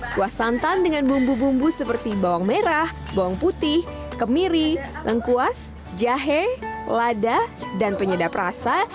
kuah santan dengan bumbu bumbu seperti bawang merah bawang putih kemiri lengkuas jahe lada dan penyedap rasa